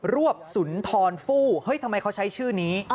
วบสุนทรฟู้เฮ้ยทำไมเขาใช้ชื่อนี้